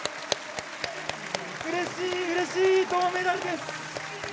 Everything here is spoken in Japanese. うれしいうれしい銅メダルです！